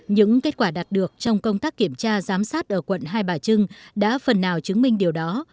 những kết quả đạt được trong công tác kiểm tra giám sát ở quận hai bà trưng đã phần nào chứng minh điều đó